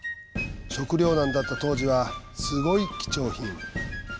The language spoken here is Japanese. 食糧難だった当時はすごい貴重品。